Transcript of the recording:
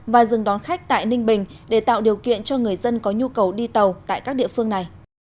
và dừng đón khách tại ninh bình để tạo điều kiện cho người dân có nhu cầu đi tàu tại các địa phương này